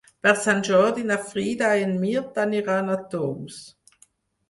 Per Sant Jordi na Frida i en Mirt aniran a Tous.